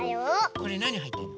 これなにはいってんの？